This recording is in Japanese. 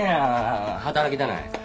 働きたない。